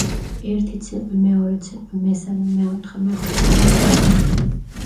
ერთი ციყვი, მეორე ციყვი, მესამე, მეოთხე, მეხუთე, მეექვსე და მეშვიდე.